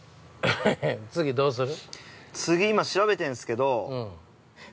◆次、どうする。